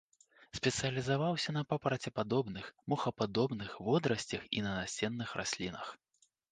Спецыялізаваўся на папарацепадобных, мохападобных, водарасцях і на насенных раслінах.